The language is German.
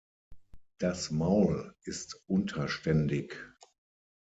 Das Maul ist unterständig.